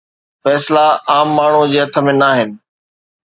فيصلا عام ماڻهوءَ جي هٿ ۾ ناهن.